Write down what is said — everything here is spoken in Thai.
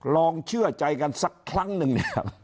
ลองเชื่อใจกันสักครั้งนึงเนี่ย